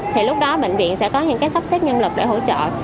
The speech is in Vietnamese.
thì lúc đó bệnh viện sẽ có những cái sắp xếp nhân lực để hỗ trợ